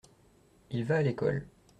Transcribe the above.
Il va à l’école.